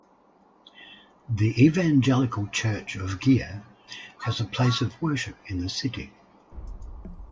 The Evangelical Church of Gier has a place of worship in the city.